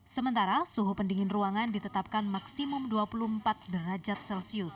sementara suhu pendingin ruangan ditetapkan maksimum dua puluh empat derajat celcius